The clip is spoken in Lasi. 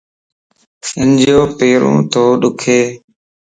ھنجو پيرو تو ڏک